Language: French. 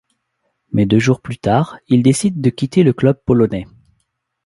Mais deux jours plus tard, il décide ce quitter le club polonais.